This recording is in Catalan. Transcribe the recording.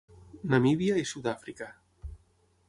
Namíbia i Sud-àfrica.